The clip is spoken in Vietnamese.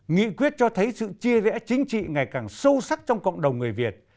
nghị quyết cho thấy sự chia rẽ chính trị ngày càng sâu sắc trong cộng đồng người việt